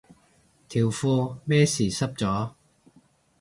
條褲咩事濕咗